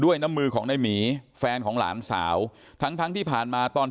ส่วนนางสุธินนะครับบอกว่าไม่เคยคาดคิดมาก่อนว่าบ้านเนี่ยจะมาถูกภารกิจนะครับ